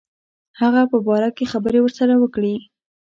هغه په باره کې خبري ورسره وکړي.